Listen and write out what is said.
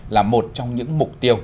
là một trong những mục tiêu